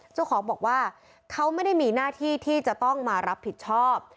เจ้าของบอกว่าเขาไม่ได้มีหน้าที่ที่จะต้องมารับผิดชอบ